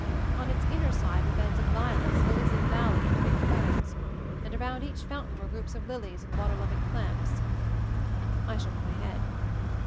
On its inner side were beds of violets, lilies of the valley, and thick ferns; and around each fountain were groups of lilies and water loving plants. I shook my head.